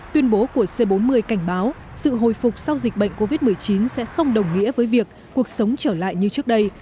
tuyên bố của c bốn mươi cảnh báo sự hồi phục sau dịch bệnh covid một mươi chín sẽ không đồng nghĩa với việc cuộc sống trở lại như trước đây